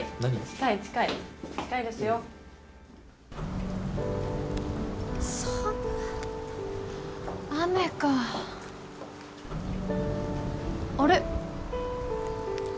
近い近い近いですよ寒っ雨かあれ？